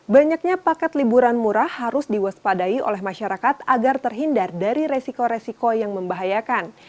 banyaknya paket liburan murah harus diwaspadai oleh masyarakat agar terhindar dari resiko resiko yang membahayakan